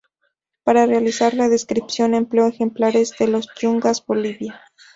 Para realizar la descripción empleó ejemplares de Los Yungas, Bolivia.